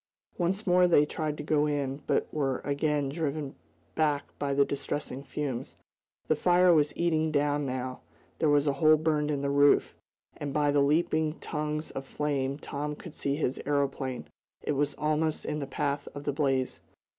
Once more they tried to go in, but were again driven back by the distressing fumes. The fire was eating down, now. There was a hole burned in the roof, and by the leaping tongues of flame Tom could see his aeroplane. It was almost in the path of the blaze.